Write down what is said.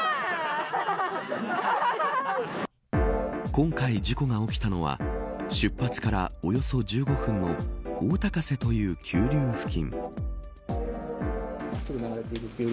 今回事故が起きたのは出発からおよそ１５分の大高瀬という急流付近。